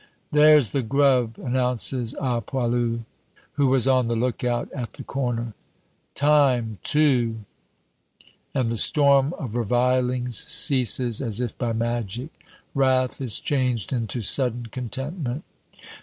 "There's the grub!" announces a poilu [note 1] who was on the look out at the corner. "Time, too!" And the storm of revilings ceases as if by magic. Wrath is changed into sudden contentment.